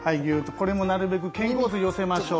これもなるべく肩甲骨寄せましょう。